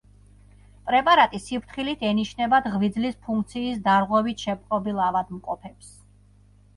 პრეპარატი სიფრთხილით ენიშნებათ ღვიძლის ფუნქციის დარღვევით შეპყრობილ ავადმყოფებს.